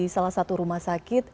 salah satu rumah sakit